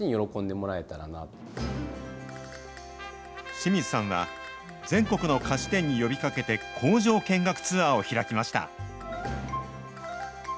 清水さんは全国の菓子店に呼びかけて工場見学ツアーを開きました。